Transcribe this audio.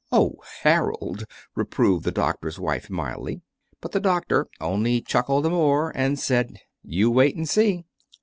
Oh, Harold," reproved the doctor's wife, mildly. But the doctor only chuckled the more, and said: "You wait and see."